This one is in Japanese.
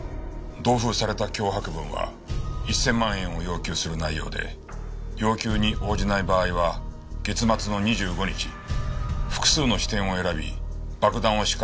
同封された脅迫文は１０００万円を要求する内容で要求に応じない場合は月末の２５日複数の支店を選び爆弾を仕掛けると書かれていた。